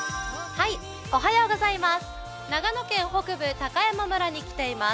長野県北部・高山村に来ています。